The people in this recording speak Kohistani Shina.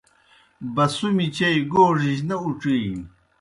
بسُمیْ چیئی گوڙِجیْ نہ اُڇِینیْ۔